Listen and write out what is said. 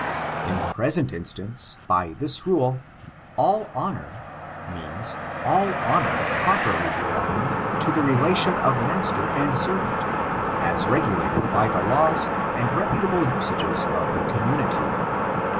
In the present iastanee* by this rule, all honor , means all honor properly bekmg^g to the relation of master and servant, as regulated by tbe laws and reputable usages of the community.